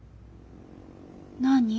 何？